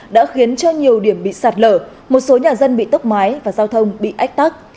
đã khiến cho nhiều điểm bị sạt lở một số nhà dân bị tốc mái và giao thông bị ách tắc